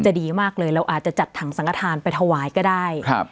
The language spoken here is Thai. ดีมากเลยเราอาจจะจัดถังสังกฐานไปถวายก็ได้ครับ